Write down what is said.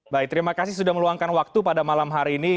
baik terima kasih sudah meluangkan waktu pada malam hari ini